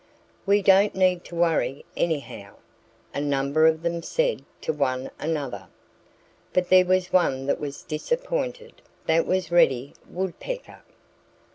"We don't need to worry, anyhow," a number of them said to one another. But there was one that was disappointed. That was Reddy Woodpecker.